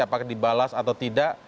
apakah dibalas atau tidak